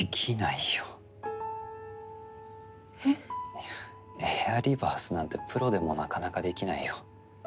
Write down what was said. いやエアーリバースなんてプロでもなかなかできないよ。